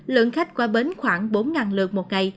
lượng khách qua bến khoảng bốn lượt